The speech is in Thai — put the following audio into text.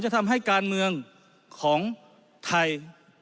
จะทำให้การเมืองของไทย